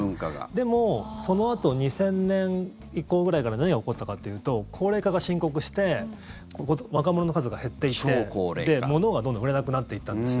でも、そのあと２０００年以降ぐらいから何が起こったかというと高齢化が深刻化して若者の数が減っていって物がどんどん売れなくなっていったんです。